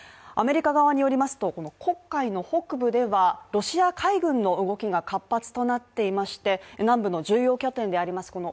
アメリカ側によりますと、黒海の北部ではロシア海軍の動きが活発となっていまして南部の重要拠点であります